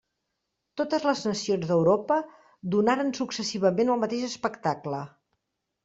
Totes les nacions d'Europa donaren successivament el mateix espectacle.